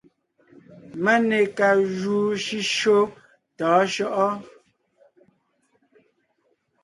Máne ka júu shʉ́shyó tɔ̌ɔn shyɔ́ʼɔ ?